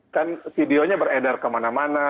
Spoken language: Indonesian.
kan videonya beredar kemana mana